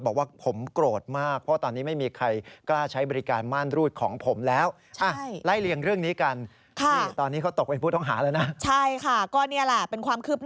บอกว่าผมโกรธมาก